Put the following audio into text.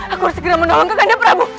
aku harus segera menolong kakinda prabu